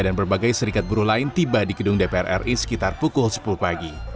dan berbagai serikat buruh lain tiba di gedung dpr ri sekitar pukul sepuluh pagi